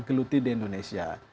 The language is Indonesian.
yang mereka geluti di indonesia